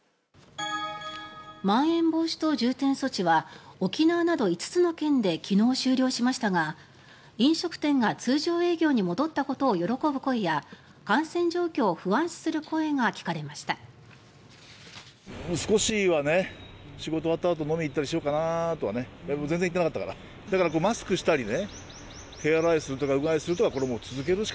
まん延防止等重点措置は沖縄など５つの県で昨日、終了しましたが飲食店が通常営業に戻ったことを喜ぶ声や感染状況を不安視する声が聞かれました。